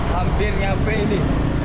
hampir nyampe ini